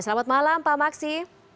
selamat malam pak maksi